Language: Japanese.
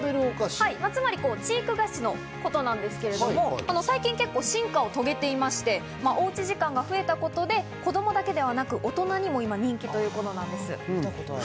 つまり知育菓子のことなんですが最近、進化を遂げていて、おうち時間が増えたことで子供だけではなく、大人にも人気ということなんです。